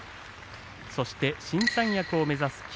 そして新三役を目指す霧